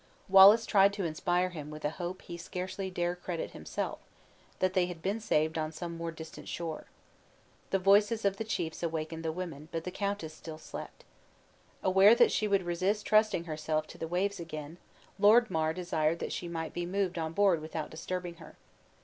Wallace tried to inspire him with a hope he scarcely dare credit himself, that they had been saved on some more distant shore. The voices of the chiefs awakened the women, but the countess still slept. Aware that she would resist trusting herself to the waves again, Lord Mar desired that she might be moved on board without disturbing her.